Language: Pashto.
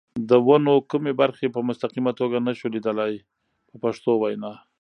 د ونو کومې برخې په مستقیمه توګه نشو لیدلای په پښتو وینا.